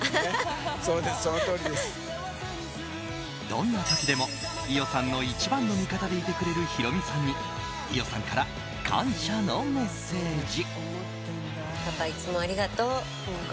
どんな時でも、伊代さんの一番の味方でいてくれるヒロミさんに伊代さんから感謝のメッセージ。